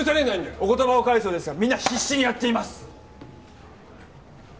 お言葉を返すようですがみんな必死にやっています！